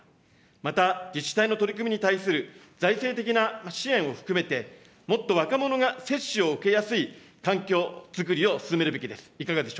また、自治体の取り組みに対する財政的な支援を含めて、もっと若者が接種を受けやすい環境作りを進めるべきです。